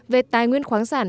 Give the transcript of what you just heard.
về tài nguyên khoáng sản